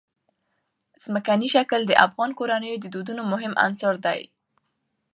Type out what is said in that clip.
ځمکنی شکل د افغان کورنیو د دودونو مهم عنصر دی.